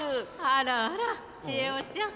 あらあらちえおちゃん。